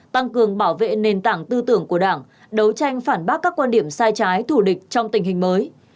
tăng cường bảo vệ nền tảng tư tưởng của đảng đấu tranh phản bác các quan điểm sai trái thủ địch trong tình hình mới